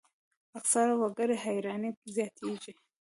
اکثرو وګړو حیراني زیاتېږي.